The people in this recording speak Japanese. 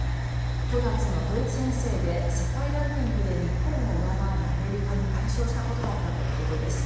９月のドイツ遠征で世界ランキングで日本を上回るアメリカに快勝したことだったということです。